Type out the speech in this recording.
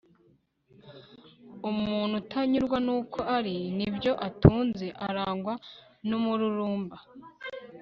umuntu utanyurwa n'uko ari n'ibyo atunze arangwa n'umururumba